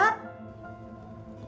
pergak jualan putau